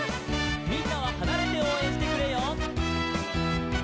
「みんなははなれておうえんしてくれよ」